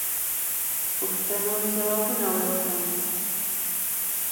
پوښتنو جوابونه ورکړم.